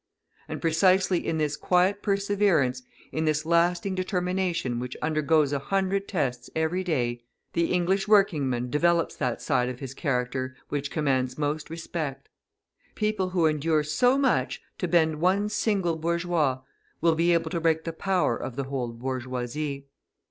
And precisely in this quiet perseverance, in this lasting determination which undergoes a hundred tests every day, the English working man develops that side of his character which commands most respect. People who endure so much to bend one single bourgeois will be able to break the power of the whole bourgeoisie.